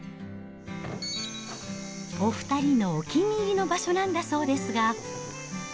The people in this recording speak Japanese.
お２人のお気に入りの場所なんだそうですが。